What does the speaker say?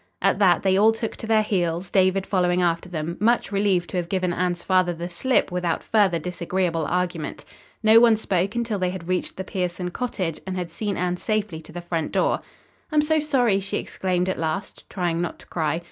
At that they all took to their heels, David following after them, much relieved to have given Anne's father the slip without further disagreeable argument. No one spoke until they had reached the Pierson cottage and had seen Anne safely to the front door. "I'm so sorry!" she exclaimed at last, trying not to cry.